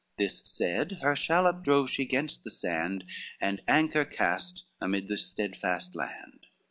This said, her shallop drove she gainst the sand, And anchor cast amid the steadfast land.